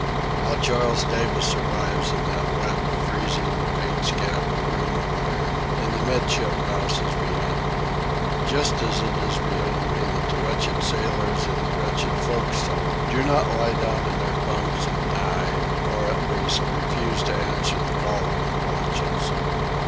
How Charles Davis survives in that wet, freezing, paint scabbed room of iron in the 'midship house is beyond me—just as it is beyond me that the wretched sailors in the wretched forecastle do not lie down in their bunks and die, or, at least, refuse to answer the call of the watches.